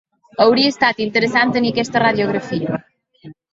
Hauria estat interessant tenir aquesta radiografia.